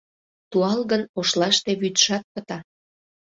— Туалгын Ошлаште вӱдшат пыта.